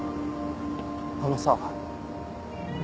あのさ。